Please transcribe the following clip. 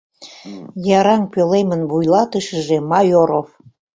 Яраҥ пӧлемын вуйлатышыже Майоров.